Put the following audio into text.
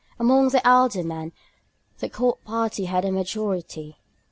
Among the Aldermen the Court party had a majority.